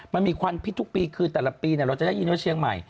มันมีควันพิษทุกปีคือแต่ละปีเราจะได้ยินว่าเชียงใหม่